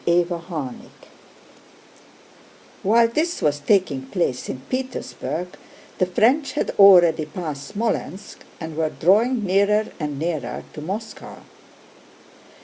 CHAPTER VII While this was taking place in Petersburg the French had already passed Smolénsk and were drawing nearer and nearer to Moscow.